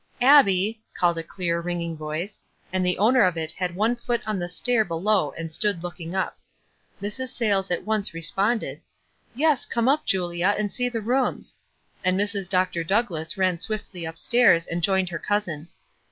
"Abbic!" called a clear, ringing voice, and the »wner of it had one foot on the stair below and stood looking up. Mrs. Sayles at once re sponded, — "Yes; come up, Julia, and see the rooms;" and Mrs. Dr. Douglass ran swiftly up stairs and joined her cousin.